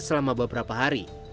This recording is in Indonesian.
selama beberapa hari